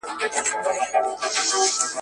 په سندرو په غزل په ترانو کي.